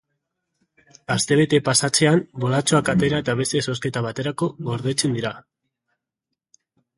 Astebete pasatzean, bolatxoak atera eta beste zozketa baterako gordetzen dira.